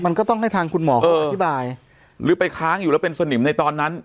มันก็ต้องให้ทางคุณหมอเขาอธิบายหรือไปค้างอยู่แล้วเป็นสนิมในตอนนั้น